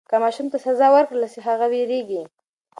که ماشوم ته سزا ورکړل سي هغه وېرېږي.